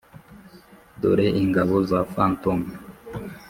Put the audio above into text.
dore ingabo za fantom